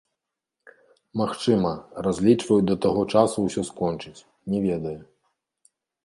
Магчыма, разлічваюць да таго часу ўсё скончыць, не ведаю.